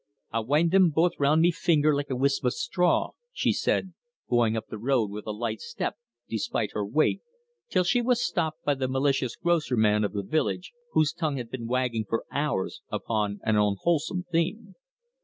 "I'll wind thim both round me finger like a wisp o' straw," she said, going up the road with a light step, despite her weight, till she was stopped by the malicious grocer man of the village, whose tongue had been wagging for hours upon an unwholesome theme.